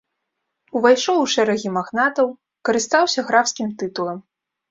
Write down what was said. Увайшоў у шэрагі магнатаў, карыстаўся графскім тытулам.